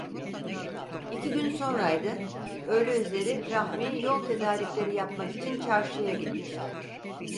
İki gün sonraydı; öğle üzeri Rahmi yol tedarikleri yapmak için çarşıya gitmişti.